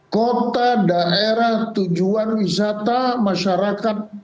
kota daerah tujuan wisata masyarakat